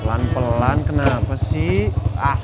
pelan pelan kenapa sih ah lu komentarmu ah